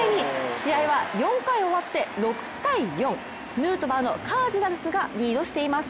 試合は４回終わって６−４、ヌートバーのカージナルスがリードしています。